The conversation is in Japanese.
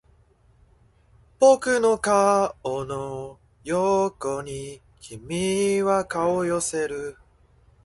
僕の顔の横に君は顔を寄せる